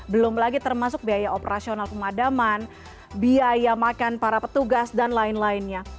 belum lagi termasuk biaya operasional pemadaman biaya makan para petugas dan lain lainnya